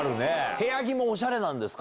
部屋着もおしゃれなんですか？